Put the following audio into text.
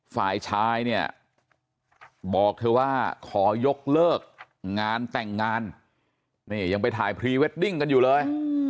ฝ่ายชายเนี่ยบอกเธอว่าขอยกเลิกงานแต่งงานนี่ยังไปถ่ายพรีเวดดิ้งกันอยู่เลย